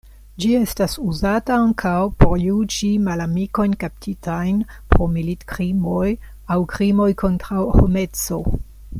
Ĝi estas uzata ankaŭ por juĝi malamikojn kaptitajn pro militkrimoj aŭ krimoj kontraŭ homeco.